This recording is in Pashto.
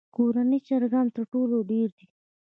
کورني چرګان تر ټولو ډېر دي.